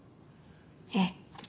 ええ。